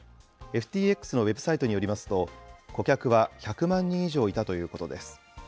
ＦＴＸのウェブサイトによりますと、顧客は１００万人以上いたということです。